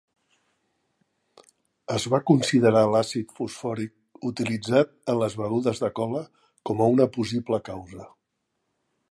Es va considerar l'àcid fosfòric utilitzat en les begudes de cola com a una possible causa.